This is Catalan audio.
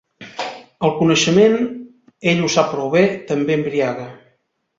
El coneixement, ell ho sap prou bé, també embriaga.